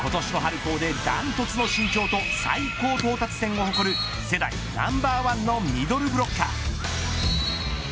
高でダントツの身長と最高到達点を誇る世代ナンバー１のミドルブロッカー。